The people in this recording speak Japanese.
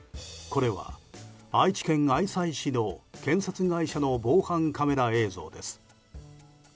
これは愛知県愛西市の建設会社の防犯カメラ映像です。